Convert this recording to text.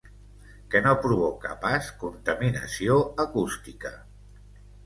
Que no provoca pas contaminació acústica.